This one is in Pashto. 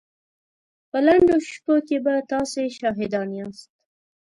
په لنډو شپو کې به تاسې شاهدان ياست.